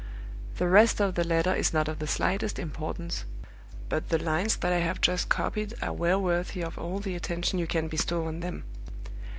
The rest of the letter is not of the slightest importance, but the lines that I have just copied are well worthy of all the attention you can bestow on them.